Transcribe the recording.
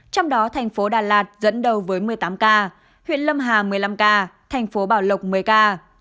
trong đó thành phố đà lạt dẫn đầu với một mươi tám ca huyện lâm hà một mươi năm ca thành phố bảo lộc một mươi ca